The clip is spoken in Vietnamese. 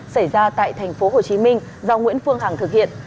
xảy ra tại tp hcm do nguyễn phương hằng thực hiện